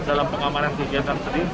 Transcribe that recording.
dalam pengamanan kegiatan sedih